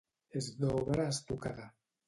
És d'obra estucada.